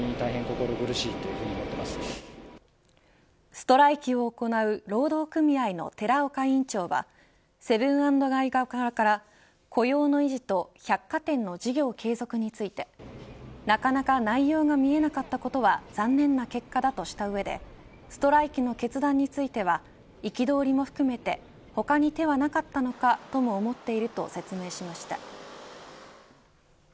ストライキを行う労働組合の寺岡委員長はセブン＆アイ側から雇用の維持と百貨店の事業継続についてなかなか内容が見えなかったことは残念な結果だとした上でストライキの決断については憤りも含めて他に手はなかったのかとも思っていると説明しました。